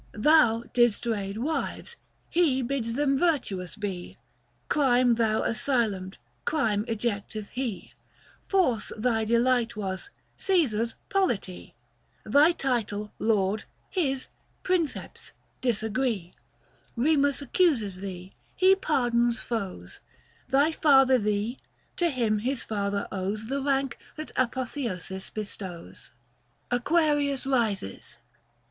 Thou didst raid wives, he bid§ them virtuous be ; Crime thou asylum'd, crime ejecteth he ; Force thy delight was, Caesar's polity ; 140 Thy title, Lord, his, Princeps, disagree ; Remus accuses thee, he pardons foes ; Thy father thee, to him his father owes The rank that Apotheosis bestows. AQUARIUS RISES.